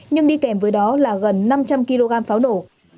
nhưng đi kèm với đó là gần năm trăm linh kg pháo nổ